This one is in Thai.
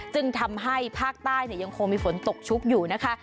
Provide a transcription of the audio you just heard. จึงทำให้ภาคใต้ยังคงมีฝนตกชุกอยู่นะคะ